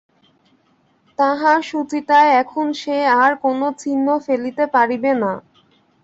তাহার শুচিতায় এখন সে আর কোনো চিহ্ন ফেলিতে পারিবে না।